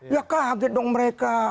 ya kaget dong mereka